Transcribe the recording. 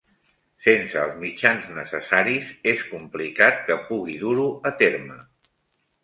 Sense els mitjans necessaris, és complicat que pugui dur-ho a terme.